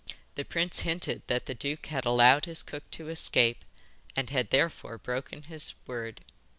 The prince hinted that the duke had allowed his cook to escape, and had therefore broken his word.